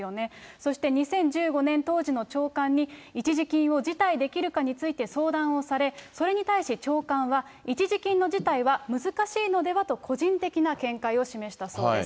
そして２０１５年、当時の長官に、一時金を辞退できるかについて相談をされ、それに対し長官は、一時金の辞退は難しいのではと個人的な見解を示したそうです。